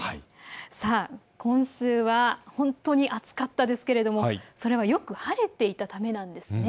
さあ今週は本当に暑かったですけれども、それはよく晴れていたためなんです。